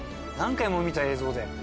何回も見た映像で。